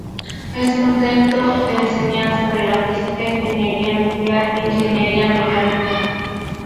Es un centro de enseñanza de la Física, Ingeniería Nuclear e Ingeniería Mecánica.